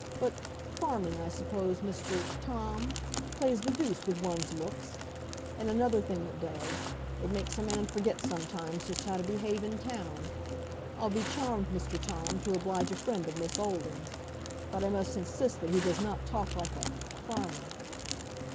But farming, I suppose, Mr. Tom? plays the deuce with one's looks. And another thing it does: it makes a man forget sometimes just how to behave in town. I'll be charmed, Mr. Tom, to oblige a friend of Miss Olden's; but I must insist that he does not talk like a farmer."